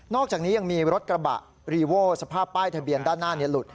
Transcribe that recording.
อกจากนี้ยังมีรถกระบะรีโว้สภาพป้ายทะเบียนด้านหน้าหลุด